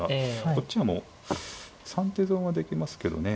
こっちはもう３手損はできますけどね。